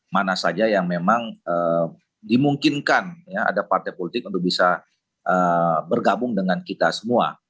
mana saja yang memang dimungkinkan ya ada partai politik untuk bisa bergabung dengan kita semua